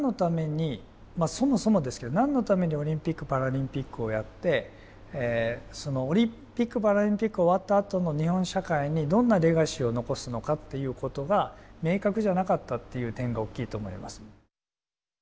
そもそもですけどなんのためにオリンピック・パラリンピックをやってそのオリンピック・パラリンピック終わったあとの日本社会にどんなレガシーを遺すのかっていうことが明確じゃなかったっていう点が大きいと思います。